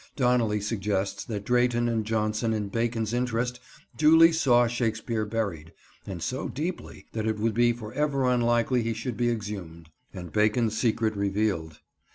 Donnelly suggests that Drayton and Jonson in Bacon's interest duly saw Shakespeare buried, and so deeply that it would be for ever unlikely he should be exhumed, and Bacon's secret revealed.